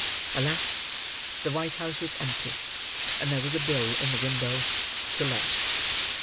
Alas! the white house was empty, and there was a bill in the window. "To Let."